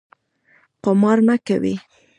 قمار مه کوئ